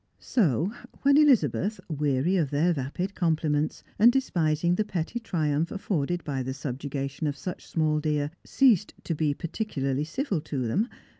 So when Elizabeth, weary of their vapid comphments, and despising the petty triumph afforded by the subjugation of such small deer, ceased to be particularly civil to then.